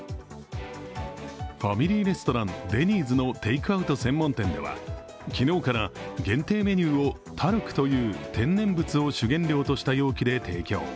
ファミリーレストラン、デニーズのテイクアウト専門店では昨日から限定メニューをタルクという天然物を主原料とした容器で提供。